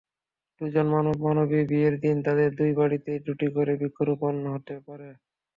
দুজন মানব-মানবী বিয়ের দিন তাদের দুই বাড়িতে দুটি করে বৃক্ষরোপণ হতে পারে।